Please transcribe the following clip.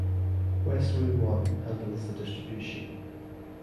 Westwood One handles the distribution.